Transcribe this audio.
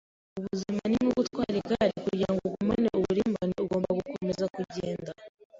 Ubuzima ni nko gutwara igare Kugirango ugumane uburimbane ugomba gukomeza kugenda